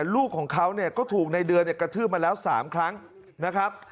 ลูกของเขาก็ถูกในเดือนกระทืบมาแล้ว๓ครั้งนะครับ